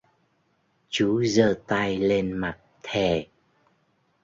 Chú Giơ tay lên mặt thề